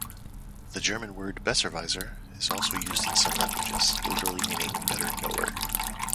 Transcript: The German word "Besserwisser" is also used in some languages, literally meaning "better knower".